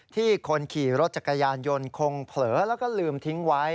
คนขี่รถจักรยานยนต์คงเผลอแล้วก็ลืมทิ้งไว้